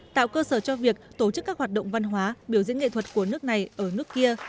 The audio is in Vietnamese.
tạo cơ sở cho việc tổ chức các hoạt động văn hóa biểu diễn nghệ thuật của nước này ở nước kia